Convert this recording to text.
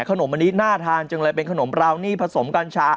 อันนี้น่าทานจังเลยเป็นขนมราวนี่ผสมกัญชา